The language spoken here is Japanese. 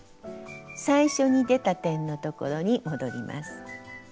最初に出た点のところに戻ります。